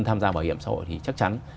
tham gia bảo hiểm xã hội thì chắc chắn